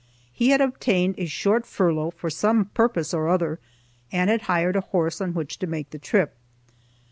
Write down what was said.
He had obtained a short furlough for some purpose or other, and had hired a horse on which to make the trip.